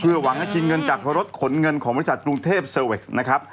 หวังให้ชิงเงินจากรถขนเงินของบริษัทกรุงเทพเซอร์เว็กซ์นะครับ